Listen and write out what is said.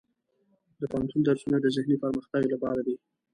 د پوهنتون درسونه د ذهني پرمختګ لپاره دي.